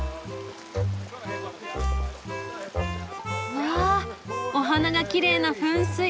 わあお花がきれいな噴水。